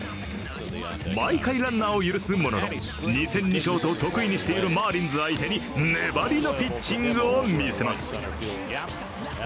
毎回ランナーを許すものの、２戦２勝と得意にしているマーリンズ相手に粘りのピッチングを見せます。